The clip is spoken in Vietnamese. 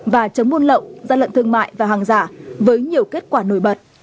và chống buôn lậu gian lận thương mại và hàng giả với nhiều kết quả nổi bật